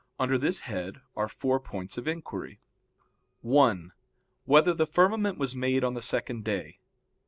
Under this head there are four points of inquiry: (1) Whether the firmament was made on the second day?